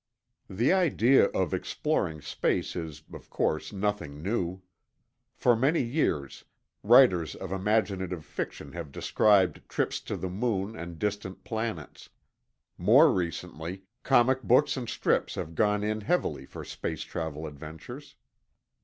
The idea of exploring space is, of course, nothing new. For many years, writers of imaginative fiction have described trips to the moon and distant planets. More recently, comic books and strips have gone in heavily for space travel adventures.